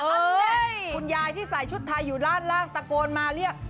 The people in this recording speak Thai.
อันนี้คุณยายที่ใส่ชุดไทยอยู่ด้านล่างตะโกนมาเรียก